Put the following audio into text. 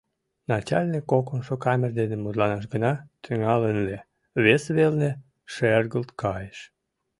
Начальник кокымшо камер дене мутланаш гына тӱҥалын ыле — вес велне шергылт кайыш: